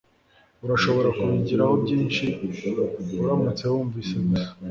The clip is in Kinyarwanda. Urashobora kubigiraho byinshi uramutse wunvise gusa